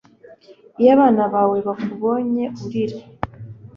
iyo abana bawe bakubonye urira